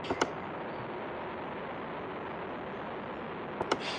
Es internacional con la Selección de baloncesto de Canadá.